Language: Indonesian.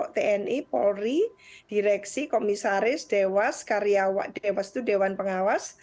tni polri direksi komisaris dewas dewan pengawas